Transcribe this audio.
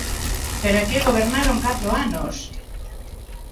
¡Pero é que gobernaron catro anos!